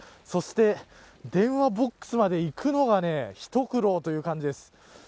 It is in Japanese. そして、電話ボックスまで行くのが一苦労という感じです。